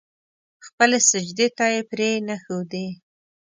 خپلې سجدې ته يې پرې نه ښودې.